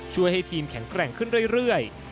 ช่วยให้ทีมแข็งแกร่งขึ้นเรื่อย